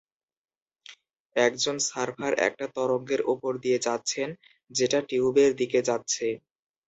একজন সার্ফার একটা তরঙ্গের ওপর দিয়ে যাচ্ছেন, যেটা টিউবের দিকে যাচ্ছে